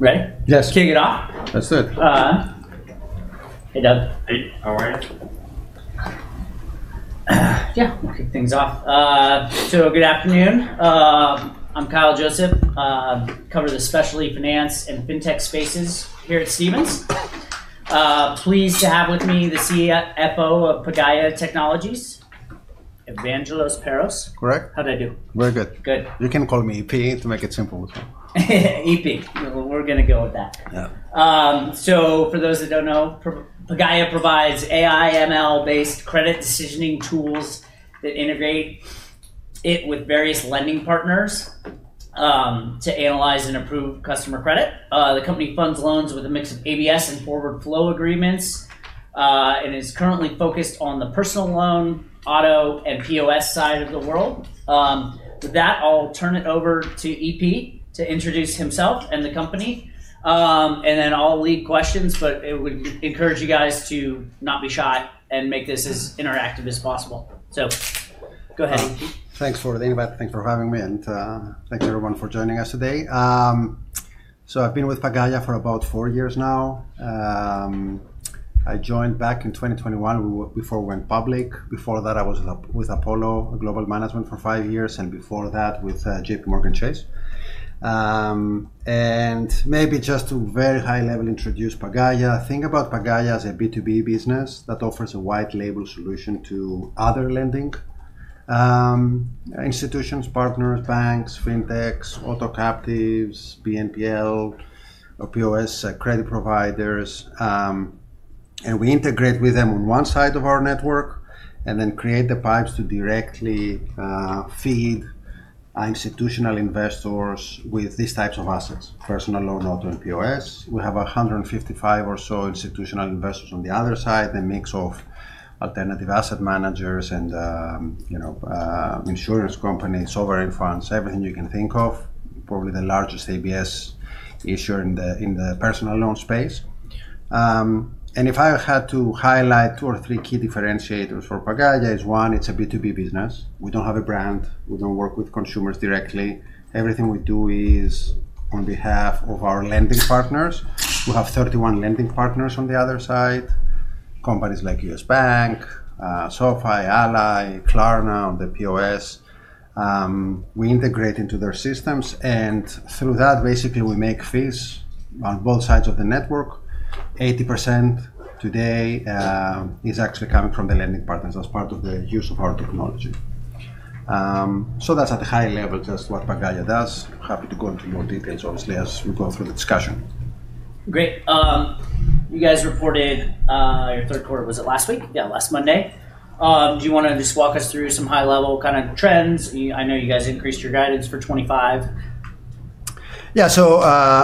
Yes. Kick it off. Let's do it. Hey, Doug. Hey, how are you? Yeah, we'll kick things off. Good afternoon. I'm Kyle Joseph. I cover the specialty finance and fintech spaces here at Stephens. Pleased to have with me the CFO of Pagaya Technologies, Evangelos Perros. Correct. How'd I do? Very good. Good. You can call me EP to make it simple with me. We're going to go with that. For those that don't know, Pagaya provides AI/ML-based credit decisioning tools that integrate with various lending partners to analyze and approve customer credit. The company funds loans with a mix of ABS and forward flow agreements and is currently focused on the personal loan, Auto, and POS side of the world. With that, I'll turn it over to EP to introduce himself and the company. I'll lead questions, but I would encourage you guys to not be shy and make this as interactive as possible. Go ahead, EP. Thanks for the invite. Thanks for having me. And thanks everyone for joining us today. I've been with Pagaya for about four years now. I joined back in 2021 before we went public. Before that, I was with Apollo Global Management for five years, and before that with JPMorgan Chase. Maybe just to very high level introduce Pagaya, think about Pagaya as a B2B business that offers a white label solution to other lending institutions, partners, banks, fintechs, Auto captives, BNPL, or POS credit providers. We integrate with them on one side of our network and then create the pipes to directly feed institutional investors with these types of assets: personal loan, Auto, and POS. We have 155 or so institutional investors on the other side, a mix of alternative asset managers and insurance companies, sovereign funds, everything you can think of, probably the largest ABS issuer in the personal loan space. If I had to highlight two or three key differentiators for Pagaya, one, it's a B2B business. We don't have a brand. We don't work with consumers directly. Everything we do is on behalf of our lending partners. We have 31 lending partners on the other side, companies like U.S. Bank, SoFi, Ally, Klarna on the POS. We integrate into their systems. Through that, basically, we make fees on both sides of the network. 80% today is actually coming from the lending partners as part of the use of our technology. That's at a high level just what Pagaya does. Happy to go into more details, obviously, as we go through the discussion. Great. You guys reported your third quarter, was it last week? Yeah, last Monday. Do you want to just walk us through some high-level kind of trends? I know you guys increased your guidance for 2025. Yeah.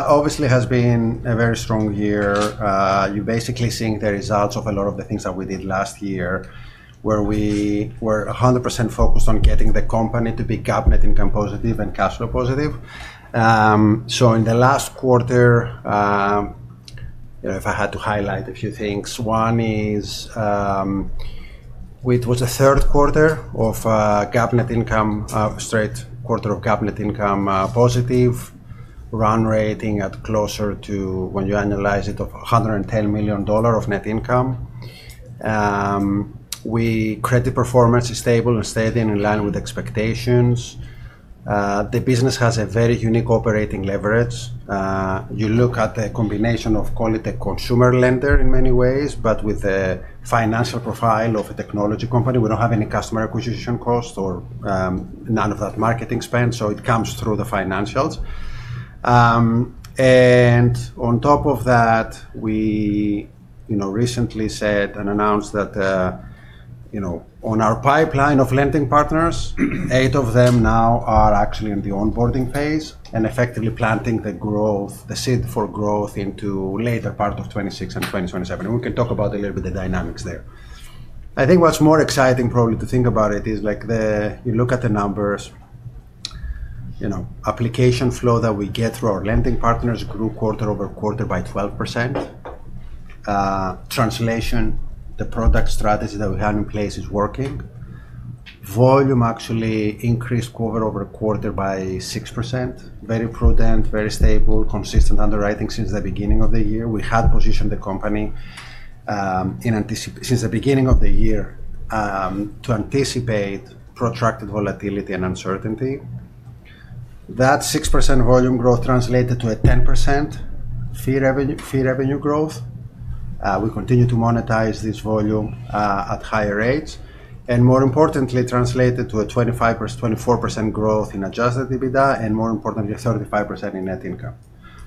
Obviously, it has been a very strong year. You are basically seeing the results of a lot of the things that we did last year where we were 100% focused on getting the company to be GAAP net income positive and cash flow positive. In the last quarter, if I had to highlight a few things, one is it was the third quarter of GAAP net income, straight quarter of GAAP net income positive, run rating at closer to, when you analyze it, $110 million of net income. Credit performance is stable and steady and in line with expectations. The business has a very unique operating leverage. You look at the combination of qualitative consumer lender in many ways, but with the financial profile of a technology company, we do not have any customer acquisition cost or none of that marketing spend. It comes through the financials. On top of that, we recently said and announced that on our pipeline of lending partners, eight of them now are actually in the onboarding phase and effectively planting the seed for growth into the later part of 2026 and 2027. We can talk about a little bit of dynamics there. I think what's more exciting probably to think about is you look at the numbers, application flow that we get through our lending partners grew quarter-over-quarter by 12%. Translation, the product strategy that we had in place is working. Volume actually increased quarter-over-quarter by 6%. Very prudent, very stable, consistent underwriting since the beginning of the year. We had positioned the company since the beginning of the year to anticipate protracted volatility and uncertainty. That 6% volume growth translated to a 10% fee revenue growth. We continue to monetize this volume at higher rates. More importantly, translated to a 24% growth in adjusted EBITDA and, more importantly, 35% in net income.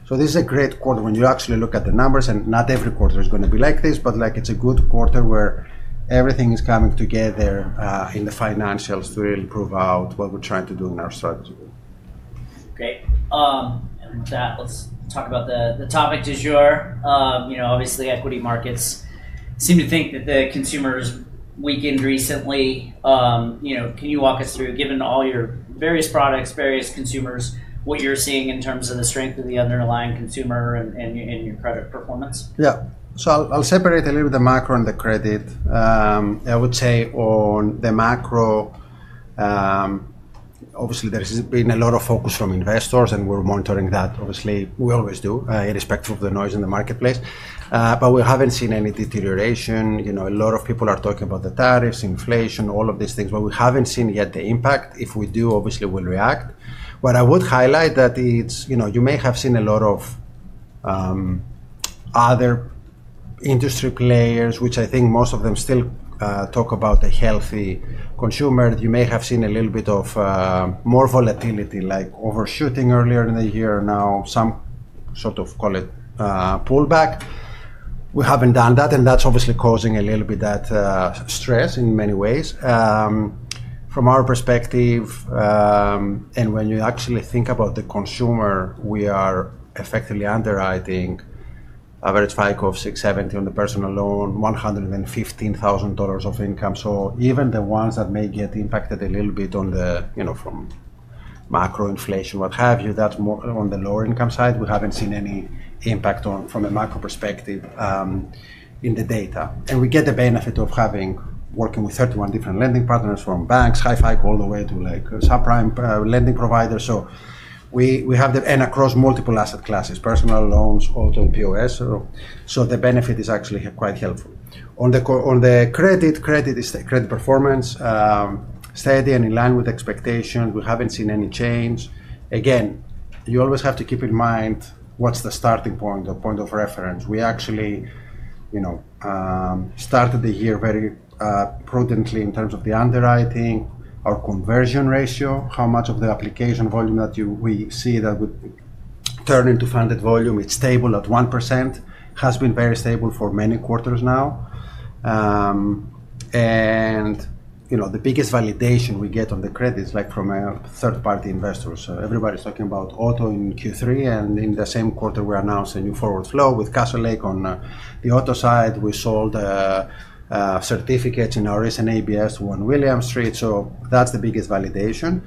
This is a great quarter when you actually look at the numbers. Not every quarter is going to be like this, but it is a good quarter where everything is coming together in the financials to really prove out what we are trying to do in our strategy. Great. With that, let's talk about the topic du jour. Obviously, equity markets seem to think that the consumer's weakened recently. Can you walk us through, given all your various products, various consumers, what you're seeing in terms of the strength of the underlying consumer and your credit performance? Yeah. I'll separate a little bit the macro and the credit. I would say on the macro, obviously, there has been a lot of focus from investors, and we're monitoring that, obviously. We always do, irrespective of the noise in the marketplace. We haven't seen any deterioration. A lot of people are talking about the tariffs, inflation, all of these things. We haven't seen yet the impact. If we do, obviously, we'll react. I would highlight that you may have seen a lot of other industry players, which I think most of them still talk about a healthy consumer. You may have seen a little bit of more volatility, like overshooting earlier in the year, now some sort of, call it, pullback. We haven't done that, and that's obviously causing a little bit of that stress in many ways. From our perspective, and when you actually think about the consumer, we are effectively underwriting a very tight goal of 670 on the personal loan, $115,000 of income. So even the ones that may get impacted a little bit from macro inflation, what have you, that's more on the lower income side. We haven't seen any impact from a macro perspective in the data. And we get the benefit of working with 31 different lending partners from banks, Hifi, all the way to subprime lending providers. So we have the and across multiple asset classes, personal loans, Auto, and POS. The benefit is actually quite helpful. On the credit, credit performance, steady and in line with expectations. We haven't seen any change. Again, you always have to keep in mind what's the starting point or point of reference. We actually started the year very prudently in terms of the underwriting, our conversion ratio, how much of the application volume that we see that would turn into funded volume. It's stable at 1%. Has been very stable for many quarters now. The biggest validation we get on the credit is from third-party investors. Everybody's talking about Auto in Q3, and in the same quarter, we announced a new forward flow with Castlelake on the Auto side. We sold certificates in our recent ABS to One William Street. That's the biggest validation.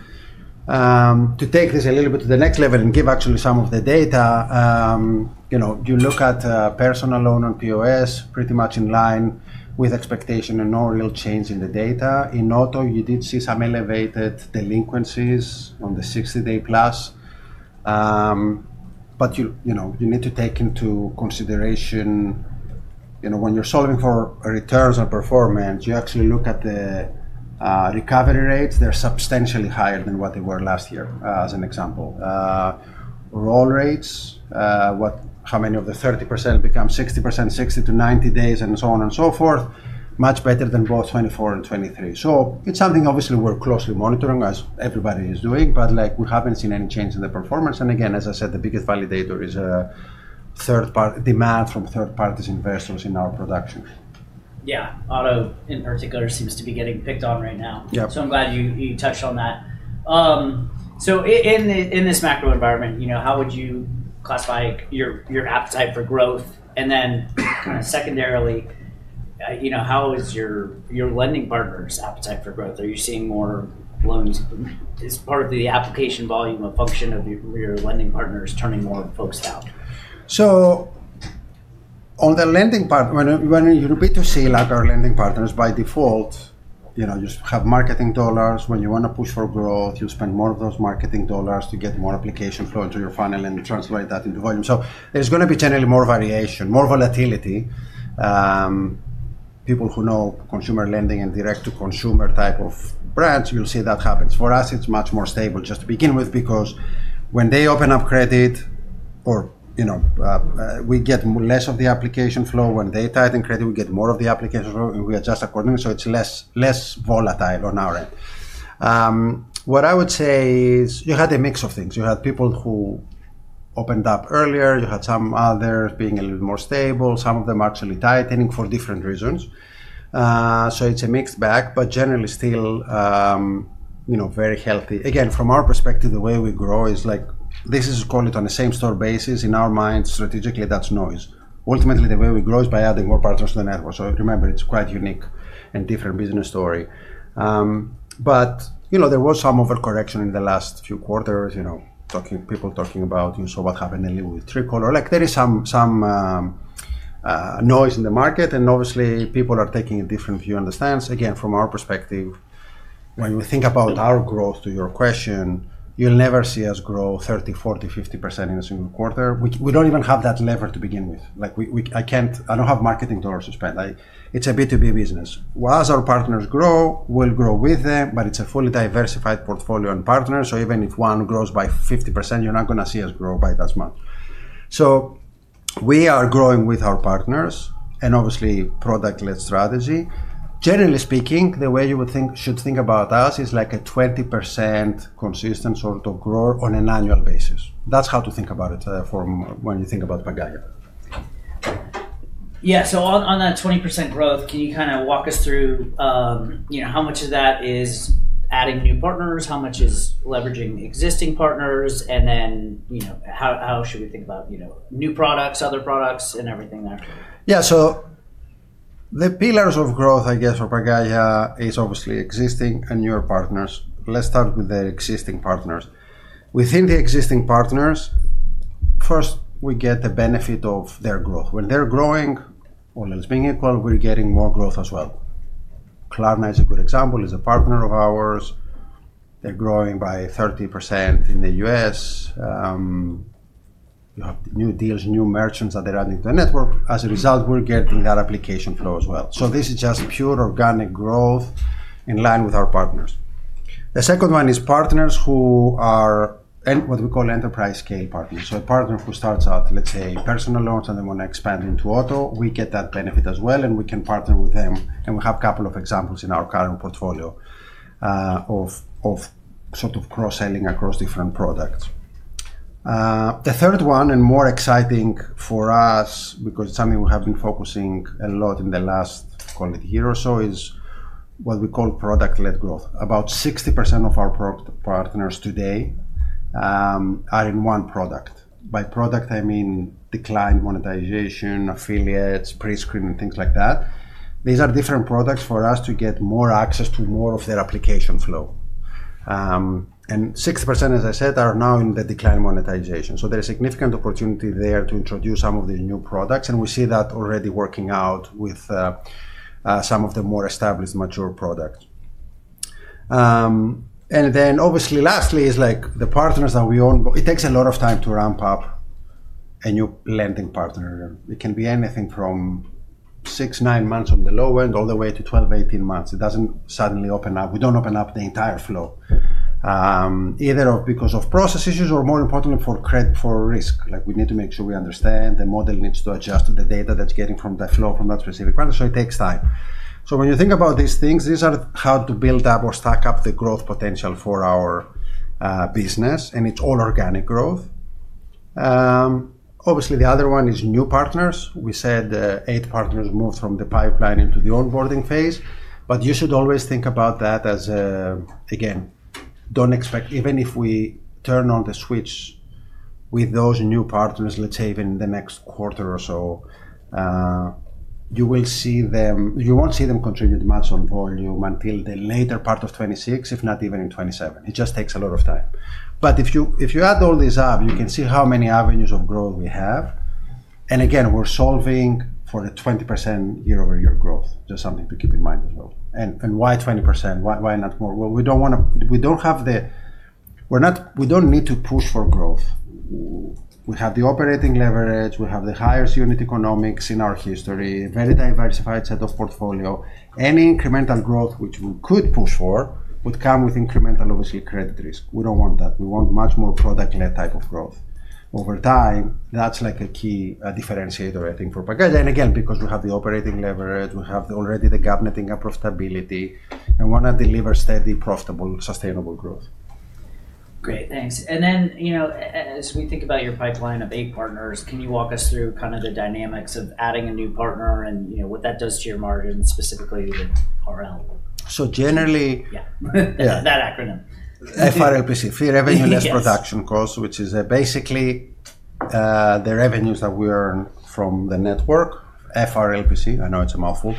To take this a little bit to the next level and give actually some of the data, you look at personal loan on POS, pretty much in line with expectation and no real change in the data. In Auto, you did see some elevated delinquencies on the 60-day+. You need to take into consideration when you're solving for returns on performance, you actually look at the recovery rates. They're substantially higher than what they were last year, as an example. Roll rates, how many of the 30% become 60%, 60 days-90 days, and so on and so forth, much better than both 2024 and 2023. It is something obviously we're closely monitoring, as everybody is doing, but we haven't seen any change in the performance. Again, as I said, the biggest validator is demand from third-party investors in our production. Yeah. Auto, in particular, seems to be getting picked on right now. I am glad you touched on that. In this macro environment, how would you classify your appetite for growth? Then kind of secondarily, how is your lending partner's appetite for growth? Are you seeing more loans? Is part of the application volume a function of your lending partners turning more folks out? On the lending part, when you repeat to see our lending partners, by default, you have marketing dollars. When you want to push for growth, you spend more of those marketing dollars to get more application flow into your funnel and translate that into volume. There is going to be generally more variation, more volatility. People who know consumer lending and direct-to-consumer type of brands, you'll see that happens. For us, it is much more stable just to begin with because when they open up credit, we get less of the application flow. When they tighten credit, we get more of the application flow, and we adjust accordingly. It is less volatile on our end. What I would say is you had a mix of things. You had people who opened up earlier. You had some others being a little more stable. Some of them actually tightening for different reasons. It's a mixed bag, but generally still very healthy. Again, from our perspective, the way we grow is this is, call it, on a same-store basis. In our minds, strategically, that's noise. Ultimately, the way we grow is by adding more partners to the network. Remember, it's quite unique and different business story. There was some overcorrection in the last few quarters, people talking about, "So what happened?" and a little bit of trickle. There is some noise in the market, and obviously, people are taking a different view on the stance. Again, from our perspective, when we think about our growth, to your question, you'll never see us grow 30%, 40%, 50% in a single quarter. We don't even have that lever to begin with. I don't have marketing dollars to spend. It's a B2B business. As our partners grow, we'll grow with them, but it's a fully diversified portfolio and partners. Even if one grows by 50%, you're not going to see us grow by that much. We are growing with our partners and obviously product-led strategy. Generally speaking, the way you should think about us is like a 20% consistent sort of growth on an annual basis. That's how to think about it when you think about Pagaya. Yeah. On that 20% growth, can you kind of walk us through how much of that is adding new partners? How much is leveraging existing partners? How should we think about new products, other products, and everything there? Yeah. So the pillars of growth, I guess, for Pagaya is obviously existing and newer partners. Let's start with the existing partners. Within the existing partners, first, we get the benefit of their growth. When they're growing, all else being equal, we're getting more growth as well. Klarna is a good example, is a partner of ours. They're growing by 30% in the U.S. You have new deals, new merchants that they're adding to the network. As a result, we're getting that application flow as well. This is just pure organic growth in line with our partners. The second one is partners who are what we call enterprise-scale partners. So a partner who starts out, let's say, personal loans and they want to expand into Auto, we get that benefit as well, and we can partner with them. We have a couple of examples in our current portfolio of sort of cross-selling across different products. The third one, and more exciting for us because it is something we have been focusing a lot in the last, call it, year or so, is what we call product-led growth. About 60% of our partners today are in one product. By product, I mean Declined Monetization, Affiliates, Prescreen, and things like that. These are different products for us to get more access to more of their application flow. And 60%, as I said, are now in the Declined Monetization. There is significant opportunity there to introduce some of these new products, and we see that already working out with some of the more established mature products. Lastly, the partners that we own, it takes a lot of time to ramp up a new lending partner. It can be anything from six months, 9 months on the low end all the way to 12 months, 18 months. It does not suddenly open up. We do not open up the entire flow, either because of process issues or, more importantly, for risk. We need to make sure we understand. The model needs to adjust to the data that is getting from that flow from that specific partner. It takes time. When you think about these things, these are how to build up or stack up the growth potential for our business, and it is all organic growth. Obviously, the other one is new partners. We said eight partners moved from the pipeline into the onboarding phase, but you should always think about that as, again, don't expect, even if we turn on the switch with those new partners, let's say, even in the next quarter or so, you won't see them contribute much on volume until the later part of 2026, if not even in 2027. It just takes a lot of time. If you add all these up, you can see how many avenues of growth we have. Again, we're solving for a 20% year-over-year growth. Just something to keep in mind as well. Why 20%? Why not more? We don't have the we don't need to push for growth. We have the operating leverage. We have the highest unit economics in our history, a very diversified set of portfolio. Any incremental growth which we could push for would come with incremental, obviously, credit risk. We do not want that. We want much more product-led type of growth. Over time, that is like a key differentiator, I think, for Pagaya. Again, because we have the operating leverage, we have already the cabinet-ing of profitability, and we want to deliver steady, profitable, sustainable growth. Great. Thanks. As we think about your pipeline of eight partners, can you walk us through kind of the dynamics of adding a new partner and what that does to your margin, specifically the RL? So generally. Yeah. That acronym. FRLPC, Fee Revenue Less Production Cost, which is basically the revenues that we earn from the network. FRLPC, I know it's a mouthful.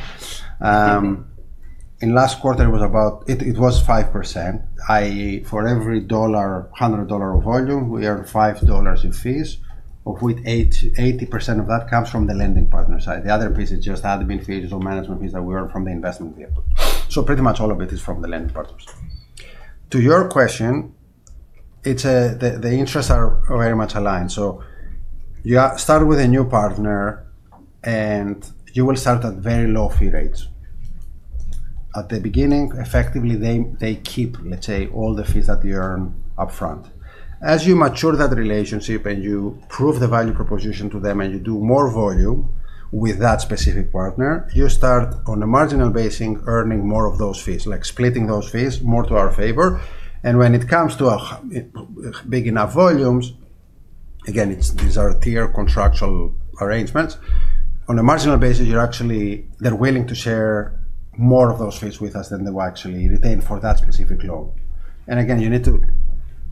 In last quarter, it was 5%. For every $100 of volume, we earn $5 in fees, of which 80% of that comes from the lending partner side. The other piece is just admin fees, management fees that we earn from the investment vehicle. Pretty much all of it is from the lending partners. To your question, the interests are very much aligned. You start with a new partner, and you will start at very low fee rates. At the beginning, effectively, they keep, let's say, all the fees that you earn upfront. As you mature that relationship and you prove the value proposition to them and you do more volume with that specific partner, you start, on a marginal basis, earning more of those fees, like splitting those fees more to our favor. When it comes to big enough volumes, again, these are tiered contractual arrangements, on a marginal basis, they're willing to share more of those fees with us than they will actually retain for that specific loan. You need to,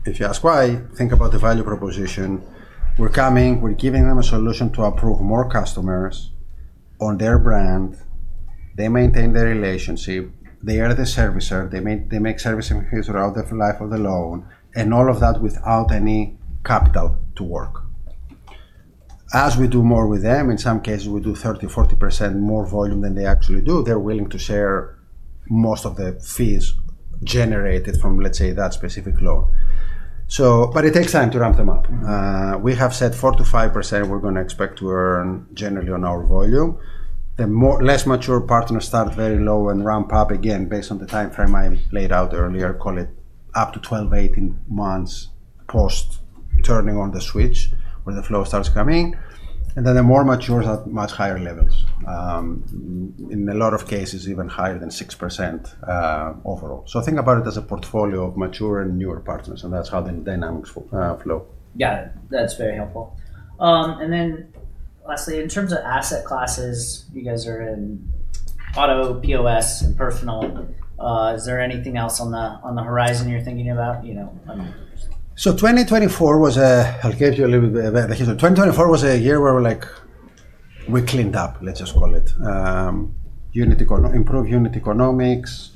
if you ask why, think about the value proposition. We're coming. We're giving them a solution to approve more customers on their brand. They maintain their relationship. They are the servicer. They make service fees throughout the life of the loan, and all of that without any capital to work. As we do more with them, in some cases, we do 30%-40% more volume than they actually do, they're willing to share most of the fees generated from, let's say, that specific loan. It takes time to ramp them up. We have said 4%-5% we're going to expect to earn generally on our volume. The less mature partners start very low and ramp up again based on the timeframe I laid out earlier, call it up to 12 montsh-18 months post turning on the switch where the flow starts coming. The more mature are at much higher levels. In a lot of cases, even higher than 6% overall. Think about it as a portfolio of mature and newer partners, and that's how the dynamics flow. Yeah. That's very helpful. Lastly, in terms of asset classes, you guys are in Auto, POS, and personal. Is there anything else on the horizon you're thinking about? So 2024 was a—I'll give you a little bit of a hint. 2024 was a year where we cleaned up, let's just call it. Improve unit economics,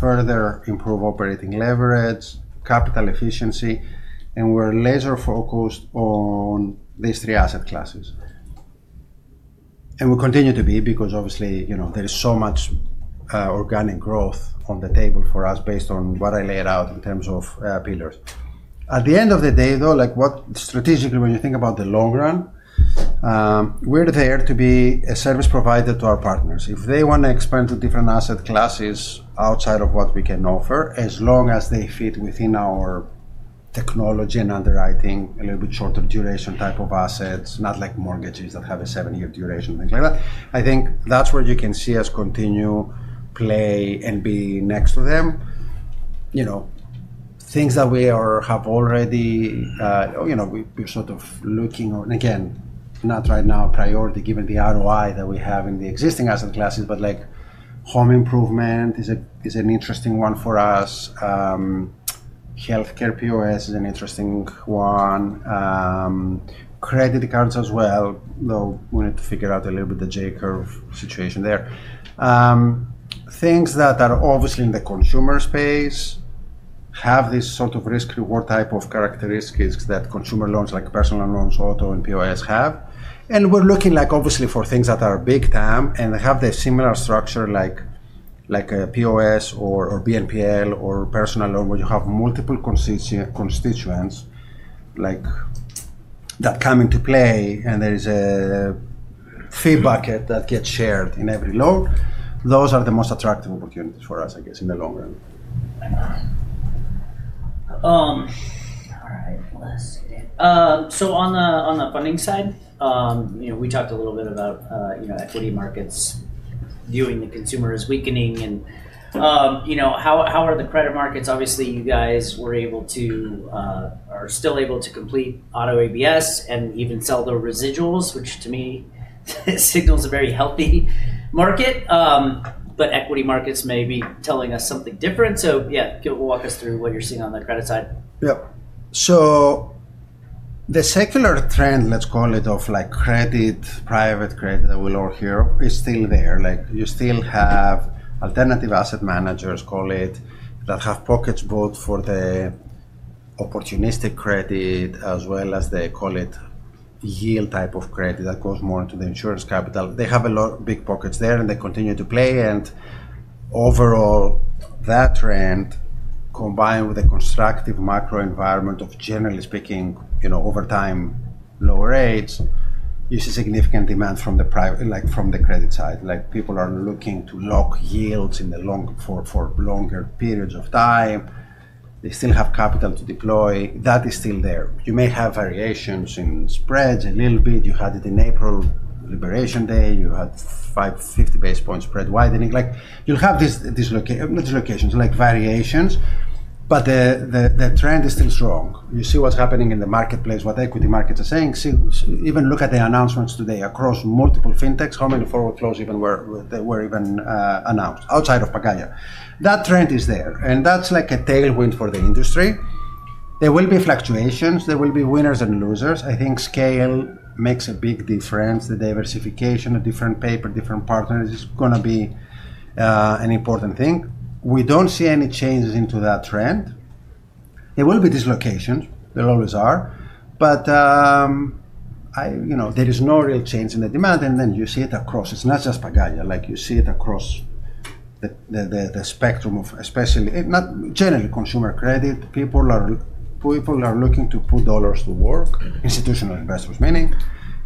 further improve operating leverage, capital efficiency, and we're laser-focused on these three asset classes. We continue to be because, obviously, there is so much organic growth on the table for us based on what I laid out in terms of pillars. At the end of the day, though, strategically, when you think about the long run, we're there to be a service provider to our partners. If they want to expand to different asset classes outside of what we can offer, as long as they fit within our technology and underwriting, a little bit shorter duration type of assets, not like mortgages that have a seven-year duration and things like that, I think that's where you can see us continue to play and be next to them. Things that we have already, we're sort of looking on, again, not right now a priority given the ROI that we have in the existing asset classes, but home improvement is an interesting one for us. Healthcare POS is an interesting one. Credit cards as well, though we need to figure out a little bit the J-curve situation there. Things that are obviously in the consumer space have this sort of risk-reward type of characteristics that consumer loans, like personal loans, Auto, and POS have. We're looking, obviously, for things that are big-time and have the similar structure like POS or BNPL or personal loan where you have multiple constituents that come into play, and there is a fee bucket that gets shared in every loan. Those are the most attractive opportunities for us, I guess, in the long run. All right. On the funding side, we talked a little bit about equity markets viewing the consumer as weakening. How are the credit markets? Obviously, you guys were able to, are still able to complete Auto ABS and even sell the residuals, which to me signals a very healthy market. Equity markets may be telling us something different. Yeah, walk us through what you're seeing on the credit side. Yeah. The secular trend, let's call it, of private credit that we'll all hear is still there. You still have alternative asset managers, call it, that have pockets both for the opportunistic credit as well as the, call it, yield type of credit that goes more into the insurance capital. They have a lot of big pockets there, and they continue to play. Overall, that trend, combined with the constructive macro environment of, generally speaking, over time, lower rates, you see significant demand from the credit side. People are looking to lock yields for longer periods of time. They still have capital to deploy. That is still there. You may have variations in spreads a little bit. You had it in April Liberation Day. You had 550 basis points spread widening. You'll have these dislocations, variations, but the trend is still strong. You see what's happening in the marketplace, what equity markets are saying. Even look at the announcements today across multiple fintechs, how many forward flows even were even announced outside of Pagaya. That trend is there, and that's like a tailwind for the industry. There will be fluctuations. There will be winners and losers. I think scale makes a big difference. The diversification of different papers, different partners is going to be an important thing. We don't see any changes into that trend. There will be dislocations. There always are. There is no real change in the demand, and then you see it across. It's not just Pagaya. You see it across the spectrum of, especially, generally, consumer credit. People are looking to put dollars to work, institutional investors meaning,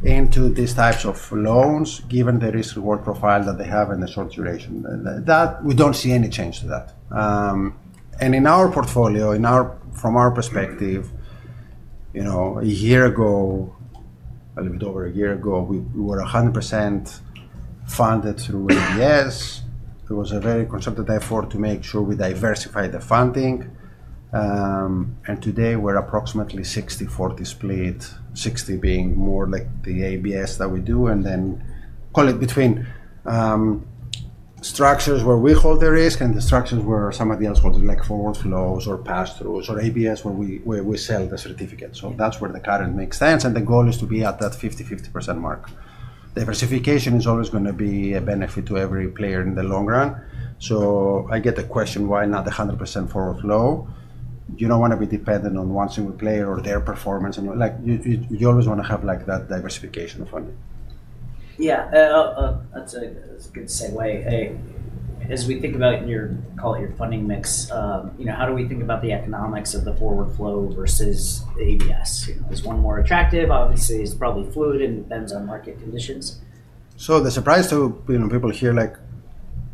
into these types of loans given the risk-reward profile that they have in the short duration. We don't see any change to that. In our portfolio, from our perspective, a year ago, a little bit over a year ago, we were 100% funded through ABS. It was a very constructive effort to make sure we diversify the funding. Today, we're approximately 60//40 split, 60 being more like the ABS that we do, and then, call it, between structures where we hold the risk and the structures where somebody else holds, like forward flows or pass-throughs or ABS where we sell the certificates. That's where the current makes sense, and the goal is to be at that 50/50% mark. Diversification is always going to be a benefit to every player in the long run. I get the question, why not 100% forward flow? You don't want to be dependent on one single player or their performance. You always want to have that diversification of funding. Yeah. That's a good segue. As we think about, call it, your funding mix, how do we think about the economics of the forward flow versus the ABS? Is one more attractive? Obviously, it's probably fluid, and it depends on market conditions. The surprise to people here,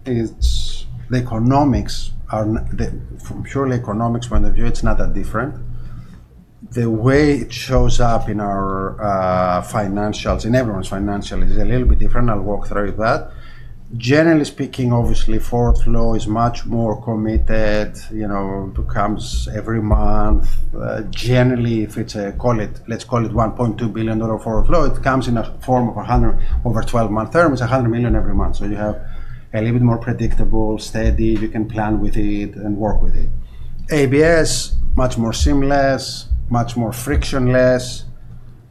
the economics, from a purely economics point of view, it's not that different. The way it shows up in our financials, in everyone's financials, is a little bit different. I'll walk through that. Generally speaking, obviously, forward flow is much more committed. It comes every month. Generally, if it's a, call it, let's call it $1.2 billion forward flow, it comes in a form of over 12-month terms. It's $100 million every month. You have a little bit more predictable, steady. You can plan with it and work with it. ABS, much more seamless, much more frictionless.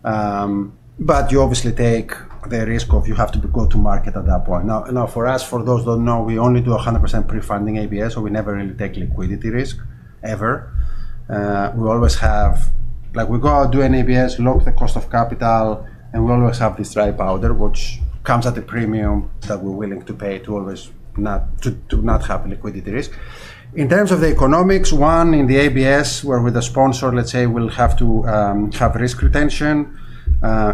You obviously take the risk of you have to go to market at that point. Now, for us, for those who don't know, we only do 100% pre-funding ABS, so we never really take liquidity risk, ever. We always have, we go out, do an ABS, lock the cost of capital, and we always have this dry powder, which comes at a premium that we're willing to pay to not have liquidity risk. In terms of the economics, one, in the ABS, where with the sponsor, let's say, we'll have to have risk retention.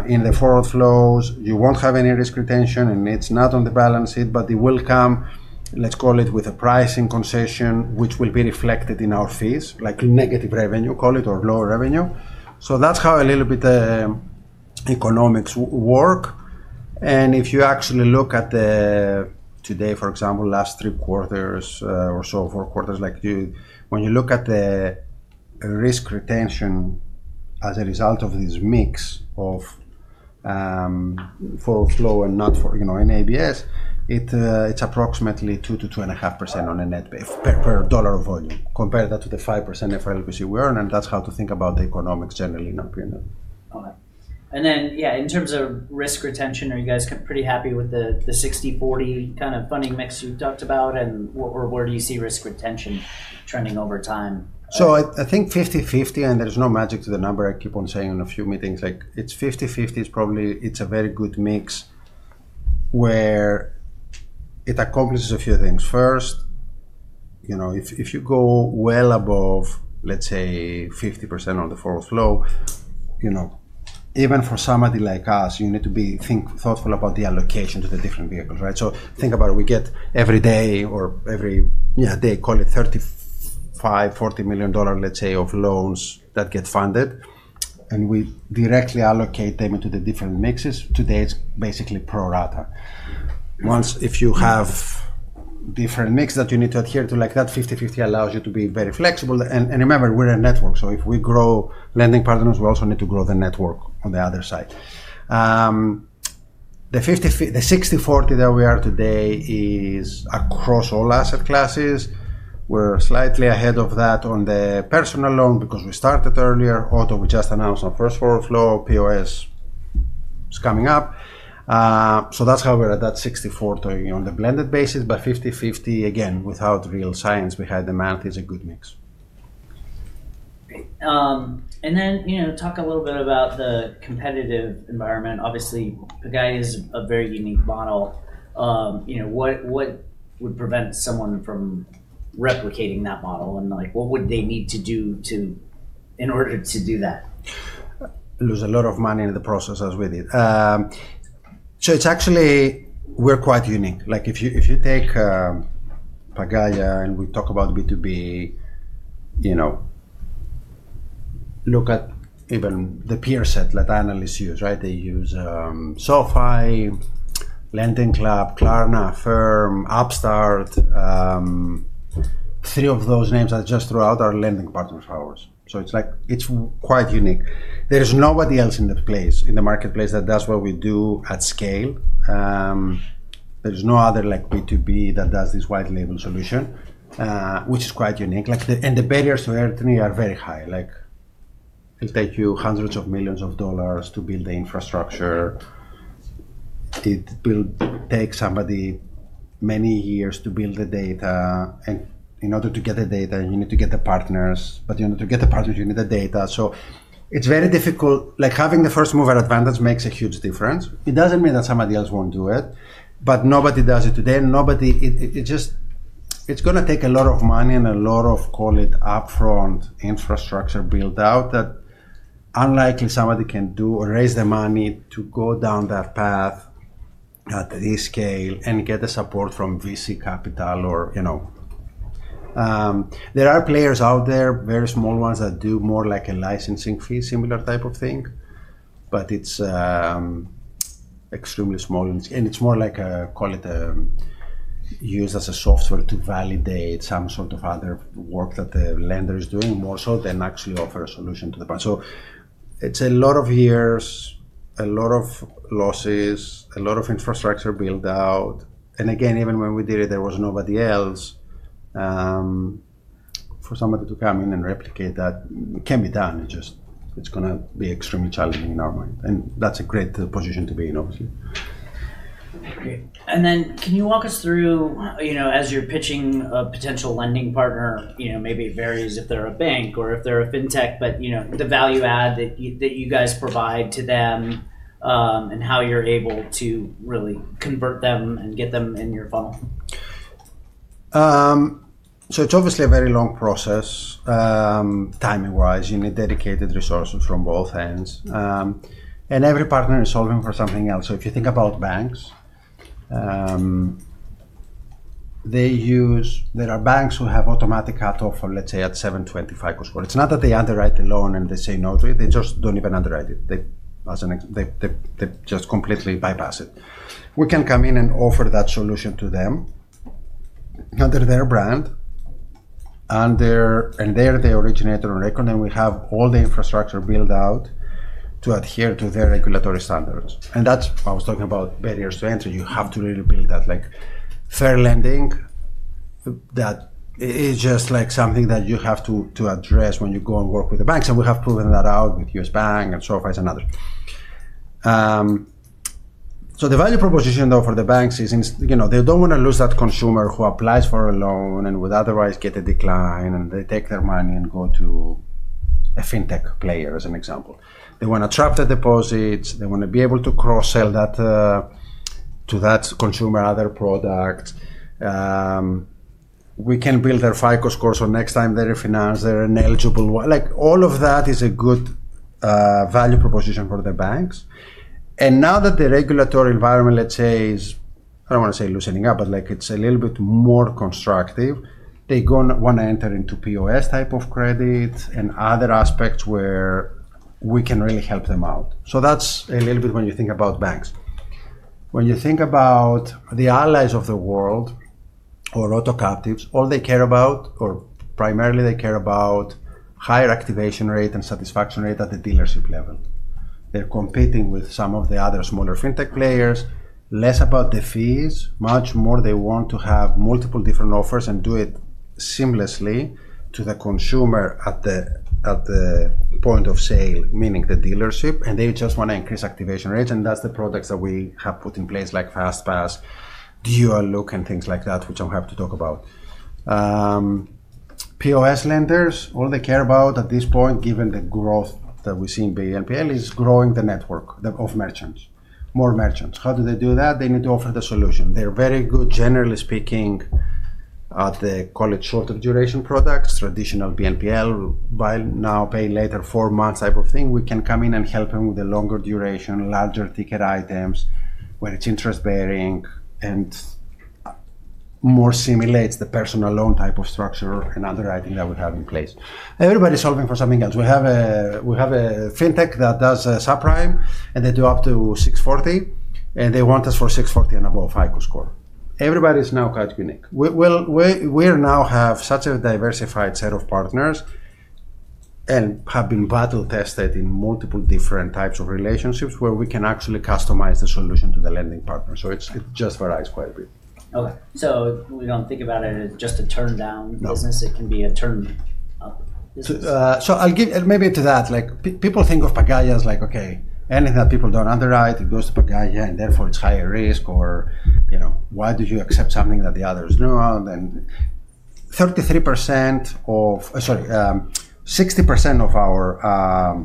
In the forward flows, you won't have any risk retention, and it's not on the balance sheet, but it will come, let's call it, with a pricing concession, which will be reflected in our fees, like negative revenue, call it, or lower revenue. That's how a little bit the economics work. If you actually look at the, today, for example, last three quarters or so four quarters, when you look at the risk retention as a result of this mix of forward flow and not in ABS, it's approximately 2%-2.5% on a net per dollar of volume. Compare that to the 5% FRLPC we earn, and that's how to think about the economics generally in our opinion. All right. Yeah, in terms of risk retention, are you guys pretty happy with the 60/40 kind of funding mix you talked about, and where do you see risk retention trending over time? I think 50/50, and there's no magic to the number. I keep on saying in a few meetings, it's 50/50. It's a very good mix where it accomplishes a few things. First, if you go well above, let's say, 50% on the forward flow, even for somebody like us, you need to be thoughtful about the allocation to the different vehicles, right? Think about it. We get every day, or every day, call it $35 million-$40 million, let's say, of loans that get funded, and we directly allocate them into the different mixes. Today, it's basically pro rata. If you have different mix that you need to adhere to, like that 50/50 allows you to be very flexible. Remember, we're a network. If we grow lending partners, we also need to grow the network on the other side. The 60/40 that we are today is across all asset classes. We're slightly ahead of that on the personal loan because we started earlier. Auto, we just announced our first forward flow. POS is coming up. That is how we're at that 60/40 on the blended basis. 50/50, again, without real science behind the math, is a good mix. Talk a little bit about the competitive environment. Obviously, Pagaya is a very unique model. What would prevent someone from replicating that model, and what would they need to do in order to do that? Lose a lot of money in the process as we did. It's actually, we're quite unique. If you take Pagaya and we talk about B2B, look at even the peer set that analysts use, right? They use SoFi, LendingClub, Klarna, Affirm, Upstart. Three of those names that I just threw out are lending partners of ours. It's quite unique. There's nobody else in the marketplace that does what we do at scale. There's no other B2B that does this white label solution, which is quite unique. The barriers to entry are very high. It'll take you hundreds of millions of dollars to build the infrastructure. It will take somebody many years to build the data. In order to get the data, you need to get the partners. In order to get the partners, you need the data. It's very difficult. Having the first mover advantage makes a huge difference. It doesn't mean that somebody else won't do it, but nobody does it today. It's going to take a lot of money and a lot of, call it, upfront infrastructure build-out that unlikely somebody can do or raise the money to go down that path at this scale and get the support from VC capital. There are players out there, very small ones that do more like a licensing fee, similar type of thing, but it's extremely small. It's more like, call it, used as a software to validate some sort of other work that the lender is doing more so than actually offer a solution to the problem. It's a lot of years, a lot of losses, a lot of infrastructure build-out. Again, even when we did it, there was nobody else. For somebody to come in and replicate that can be done. It is going to be extremely challenging in our mind. That is a great position to be in, obviously. Can you walk us through, as you're pitching a potential lending partner, maybe it varies if they're a bank or if they're a fintech, but the value add that you guys provide to them and how you're able to really convert them and get them in your funnel? It's obviously a very long process, timing-wise. You need dedicated resources from both ends. Every partner is solving for something else. If you think about banks, there are banks who have automatic cut-off for, let's say, at 725. It's not that they underwrite the loan and they say no. They just don't even underwrite it. They just completely bypass it. We can come in and offer that solution to them under their brand. They're the originator on record, and we have all the infrastructure built out to adhere to their regulatory standards. That's why I was talking about barriers to entry. You have to really build that fair lending. That is just something that you have to address when you go and work with the banks. We have proven that out with U.S. Bank and SoFi and others. The value proposition, though, for the banks is they do not want to lose that consumer who applies for a loan and would otherwise get a decline, and they take their money and go to a fintech player, as an example. They want to trap the deposits. They want to be able to cross-sell that to that consumer, other products. We can build their FICO score, so next time they refinance, they are ineligible. All of that is a good value proposition for the banks. Now that the regulatory environment, let's say, is, I do not want to say loosening up, but it is a little bit more constructive, they want to enter into POS type of credit and other aspects where we can really help them out. That is a little bit when you think about banks. When you think about the allies of the world or Auto captives, all they care about, or primarily they care about, higher activation rate and satisfaction rate at the dealership level. They're competing with some of the other smaller fintech players. Less about the fees, much more they want to have multiple different offers and do it seamlessly to the consumer at the point of sale, meaning the dealership, and they just want to increase activation rate. That's the products that we have put in place, like Fast Pass, Dual Look, and things like that, which I'll have to talk about. POS lenders, all they care about at this point, given the growth that we see in BNPL, is growing the network of merchants, more merchants. How do they do that? They need to offer the solution. They're very good, generally speaking, at the, call it, short duration products, traditional BNPL, buy now, pay later, four months type of thing. We can come in and help them with the longer duration, larger ticket items where it's interest-bearing and more simulates the personal loan type of structure and underwriting that we have in place. Everybody's solving for something else. We have a fintech that does subprime, and they do up to 640, and they want us for 640 and above FICO score. Everybody's now quite unique. We now have such a diversified set of partners and have been battle-tested in multiple different types of relationships where we can actually customize the solution to the lending partner. It just varies quite a bit. Okay. We don't think about it as just a turn-down business. It can be a turn-up business. Maybe to that, people think of Pagaya as like, okay, anything that people do not underwrite, it goes to Pagaya, and therefore it is higher risk, or why do you accept something that the others do not? And 60% of our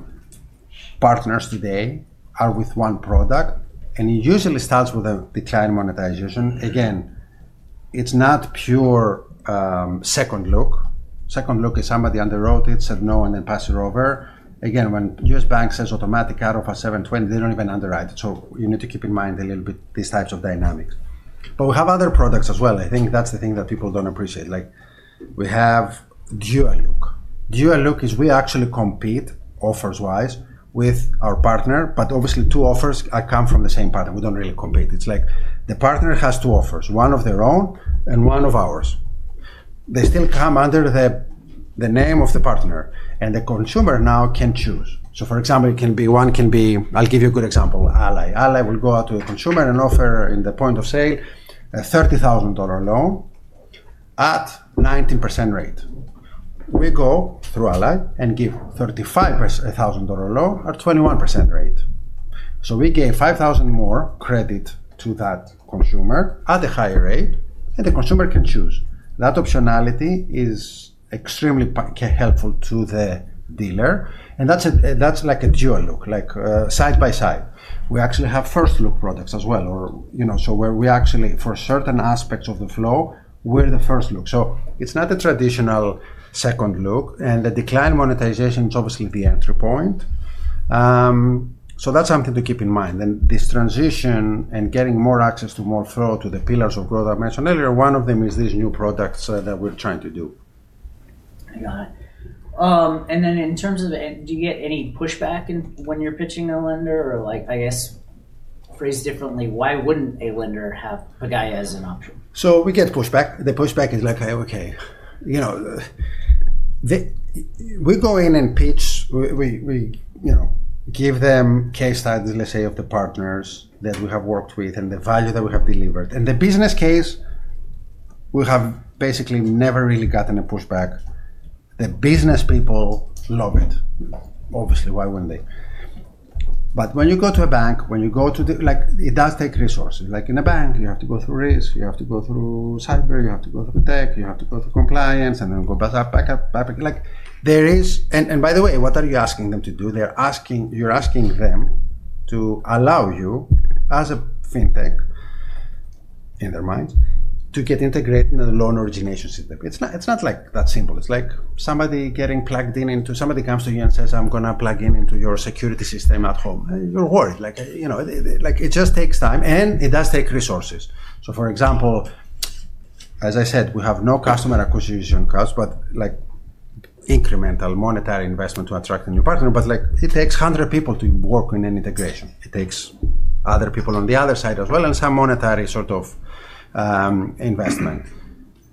partners today are with one product, and it usually starts with a Declined Monetization. Again, it is not pure second look. Second look is somebody underwrote it, said no, and then passed it over. Again, when U.S. Bank says automatic cut-off at 720, they do not even underwrite it. You need to keep in mind a little bit these types of dynamics. We have other products as well. I think that is the thing that people do not appreciate. We have Dual Look. Dual Look is we actually compete offers-wise with our partner, but obviously two offers come from the same partner. We do not really compete. It's like the partner has two offers, one of their own and one of ours. They still come under the name of the partner, and the consumer now can choose. For example, one can be, I'll give you a good example, Ally. Ally will go out to a consumer and offer in the point of sale a $30,000 loan at 19% rate. We go through Ally and give $35,000 loan at 21% rate. We gave $5,000 more credit to that consumer at a higher rate, and the consumer can choose. That optionality is extremely helpful to the dealer. That's like a dual look, like side by side. We actually have first look products as well, or where we actually, for certain aspects of the flow, we're the first look. It's not a traditional second look, and the Declined Monetization is obviously the entry point. That's something to keep in mind. This transition and getting more access to more flow to the pillars of growth I mentioned earlier, one of them is these new products that we're trying to do. I got it. In terms of, do you get any pushback when you're pitching a lender? Or I guess phrased differently, why wouldn't a lender have Pagaya as an option? We get pushback. The pushback is like, okay. We go in and pitch. We give them case studies, let's say, of the partners that we have worked with and the value that we have delivered. The business case, we have basically never really gotten a pushback. The business people love it. Obviously, why wouldn't they? When you go to a bank, when you go to the, it does take resources. In a bank, you have to go through risk. You have to go through cyber. You have to go through tech. You have to go through compliance and then go back up, back up, back up. By the way, what are you asking them to do? You're asking them to allow you as a fintech, in their minds, to get integrated in the loan origination system. It's not like that simple. It's like somebody getting plugged in into somebody comes to you and says, "I'm going to plug in into your security system at home." You're worried. It just takes time, and it does take resources. For example, as I said, we have no customer acquisition costs, but incremental monetary investment to attract a new partner. It takes 100 people to work in an integration. It takes other people on the other side as well and some monetary sort of investment.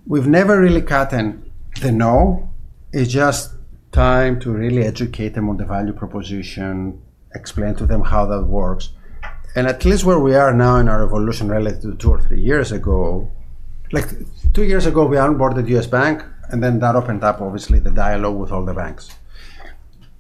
We've never really gotten the no. It's just time to really educate them on the value proposition, explain to them how that works. At least where we are now in our evolution relative to two or three years ago, two years ago, we onboarded U.S. Bank, and then that opened up, obviously, the dialogue with all the banks.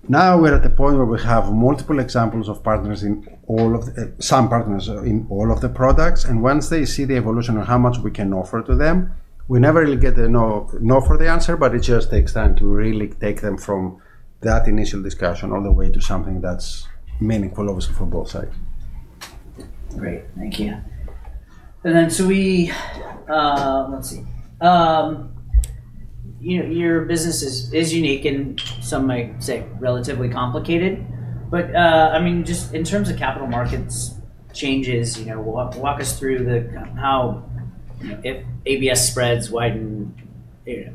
Now we're at the point where we have multiple examples of partners in all of the products. And once they see the evolution and how much we can offer to them, we never really get the no for the answer, but it just takes time to really take them from that initial discussion all the way to something that's meaningful, obviously, for both sides. Great. Thank you. And then so we, let's see. Your business is unique and some might say relatively complicated. I mean, just in terms of capital markets changes, walk us through how if ABS spreads widen, if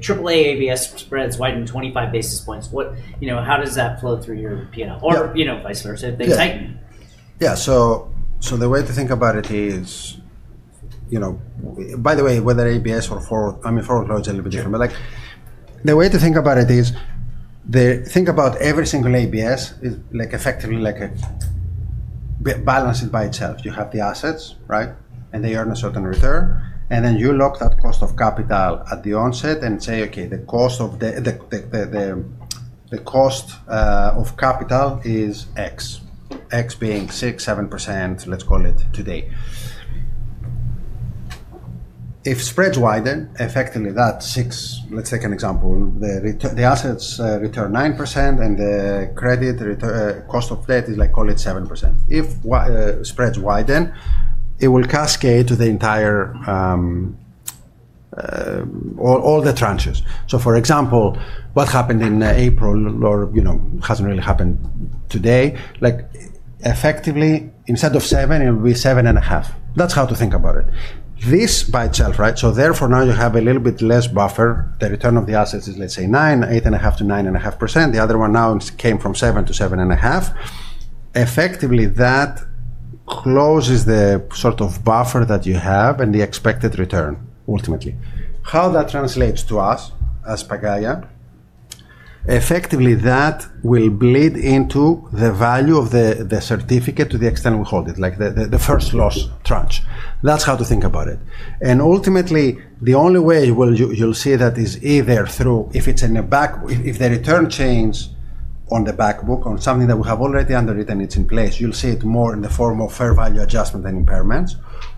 AAA ABS spreads widen 25 basis points, how does that flow through your P&L or vice versa if they tighten? Yeah. So the way to think about it is, by the way, whether ABS or, I mean, forward flow is a little bit different. But the way to think about it is think about every single ABS effectively balanced by itself. You have the assets, right? And they earn a certain return. And then you lock that cost of capital at the onset and say, "Okay, the cost of the cost of capital is X," X being 6%-7%, let's call it today. If spreads widen, effectively that 6%. Let's take an example. The assets return 9%, and the credit cost of debt is, call it, 7%. If spreads widen, it will cascade to all the tranches. For example, what happened in April or hasn't really happened today, effectively instead of 7%, it will be 7.5%. That's how to think about it. This by itself, right? Therefore now you have a little bit less buffer. The return of the assets is, let's say, 8.5%-9.5%. The other one now came from 7%-7.5%. Effectively that closes the sort of buffer that you have and the expected return ultimately. How that translates to us as Pagaya, effectively that will bleed into the value of the certificate to the extent we hold it, the first loss tranche. That's how to think about it. Ultimately, the only way you'll see that is either if it's in a back, if the return changes on the backbook or something that we have already underwritten, it's in place, you'll see it more in the form of fair value adjustment and impairments.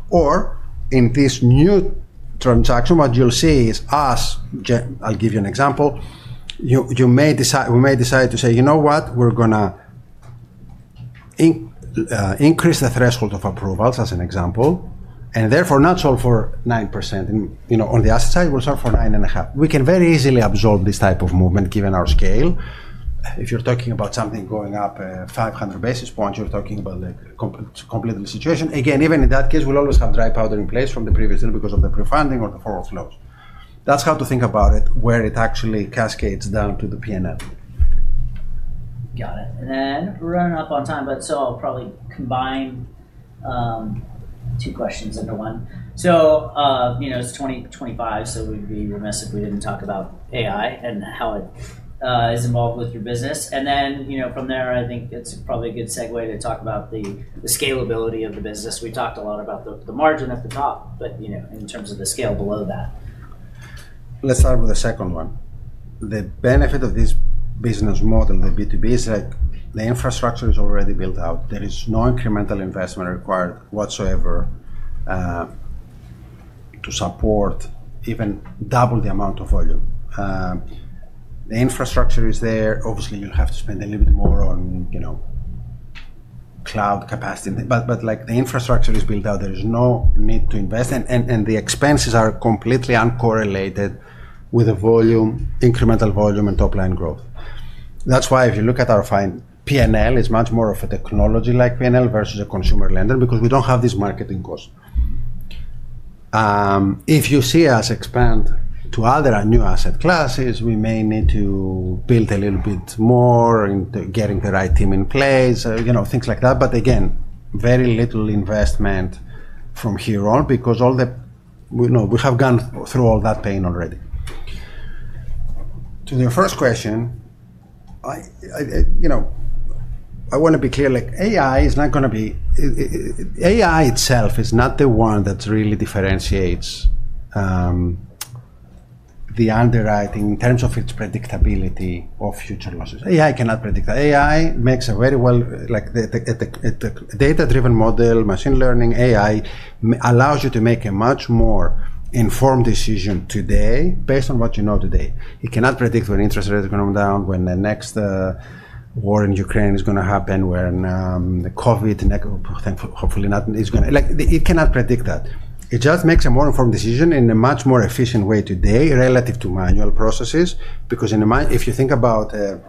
Or in this new transaction, what you'll see is us, I'll give you an example, we may decide to say, "You know what? We're going to increase the threshold of approvals," as an example, and therefore not sold for 9%. On the asset side, we'll sell for 9.5%. We can very easily absorb this type of movement given our scale. If you're talking about something going up 500 basis points, you're talking about a completely situation. Again, even in that case, we'll always have dry powder in place from the previous deal because of the pre-funding or the forward flows. That's how to think about it where it actually cascades down to the P&L. Got it. We're running up on time, so I'll probably combine two questions into one. It is 2025, so we'd be remiss if we didn't talk about AI and how it is involved with your business. From there, I think it's probably a good segue to talk about the scalability of the business. We talked a lot about the margin at the top, but in terms of the scale below that. Let's start with the second one. The benefit of this business model, the B2B, is the infrastructure is already built out. There is no incremental investment required whatsoever to support even double the amount of volume. The infrastructure is there. Obviously, you'll have to spend a little bit more on cloud capacity. The infrastructure is built out. There is no need to invest. The expenses are completely uncorrelated with the incremental volume and top-line growth. That's why if you look at our P&L, it's much more of a technology-like P&L versus a consumer lender because we don't have this marketing cost. If you see us expand to other new asset classes, we may need to build a little bit more in getting the right team in place, things like that. Again, very little investment from here on because we have gone through all that pain already. To your first question, I want to be clear. AI is not going to be, AI itself is not the one that really differentiates the underwriting in terms of its predictability of future losses. AI cannot predict. AI makes a very well data-driven model, machine learning. AI allows you to make a much more informed decision today based on what you know today. It cannot predict when interest rates are going to come down, when the next war in Ukraine is going to happen, when the COVID, hopefully not, is going to—it cannot predict that. It just makes a more informed decision in a much more efficient way today relative to manual processes. Because if you think about a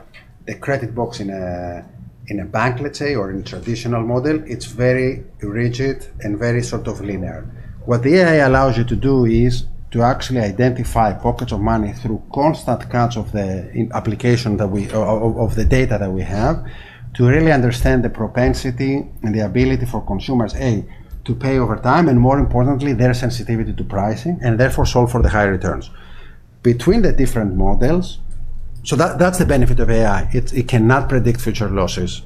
credit box in a bank, let's say, or in a traditional model, it's very rigid and very sort of linear. What the AI allows you to do is to actually identify pockets of money through constant cuts of the application of the data that we have to really understand the propensity and the ability for consumers, A, to pay over time and, more importantly, their sensitivity to pricing and therefore solve for the high returns between the different models. That is the benefit of AI. It cannot predict future losses.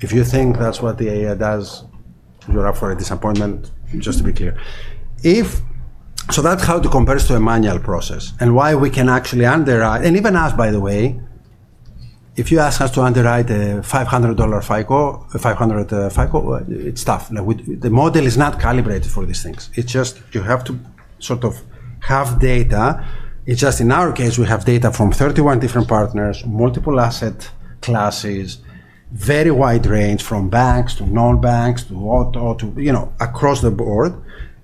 If you think that is what the AI does, you are up for a disappointment, just to be clear. That is how it compares to a manual process and why we can actually underwrite. Even us, by the way, if you ask us to underwrite a $500 FICO, it is tough. The model is not calibrated for these things. You just have to sort of have data. It's just in our case, we have data from 31 different partners, multiple asset classes, very wide range from banks to non-banks to Auto to across the board.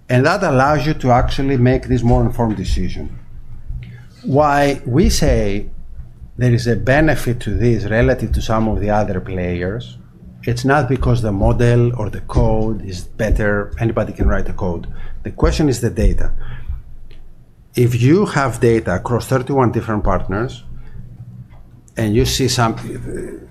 That allows you to actually make this more informed decision. Why we say there is a benefit to this relative to some of the other players? It's not because the model or the code is better. Anybody can write a code. The question is the data. If you have data across 31 different partners and you see something,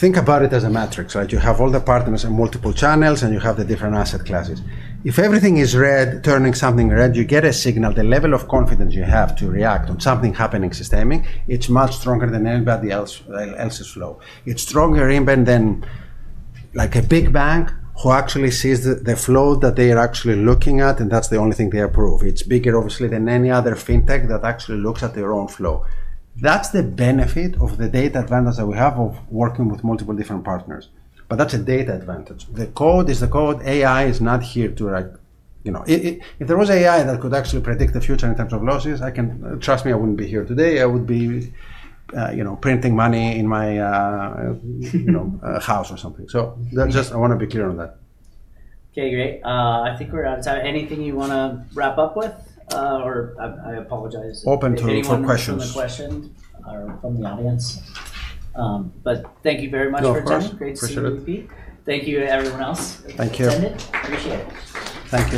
think about it as a matrix, right? You have all the partners and multiple channels, and you have the different asset classes. If everything is red, turning something red, you get a signal. The level of confidence you have to react on something happening systemic, it's much stronger than anybody else's flow. It's stronger even than a big bank who actually sees the flow that they are actually looking at, and that's the only thing they approve. It's bigger, obviously, than any other fintech that actually looks at their own flow. That's the benefit of the data advantage that we have of working with multiple different partners. That's a data advantage. The code is the code. AI is not here to, if there was AI that could actually predict the future in terms of losses, trust me, I wouldn't be here today. I would be printing money in my house or something. I want to be clear on that. Okay, great. I think we're out of time. Anything you want to wrap up with? Or I apologize. Open to questions. Any questions from the audience? Thank you very much for your time. No problem. Appreciate it. Great to be with you. Thank you to everyone else who attended. Thank you. Appreciate it. Thank you.